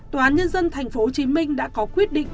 tòa án nhân dân tp hcm đã có quyết định